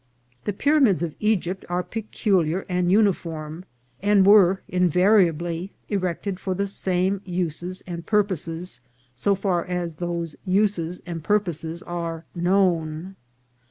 The pyramids of Egypt are peculiar and uni form, and were invariably erected for the same uses and purposes, so far as those uses and purposes are known.